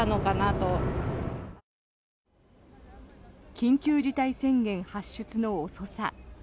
緊急事態宣言発出の遅さ。